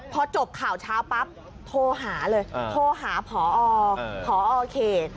พอจบข่าวเช้าปั๊บโทรหาเลยโทรหาพอเขต